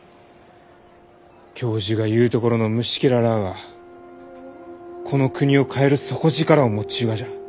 教授が言うところの「虫けら」らあがこの国を変える底力を持っちゅうがじゃ。